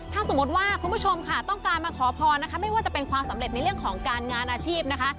ถ้าสมมติว่าคุณผู้ชมค่ะต้องการมาขอพรนะคะไม่ว่าจะเป็นความสำเร็จในเรื่องของการงานอาชีพนะคะ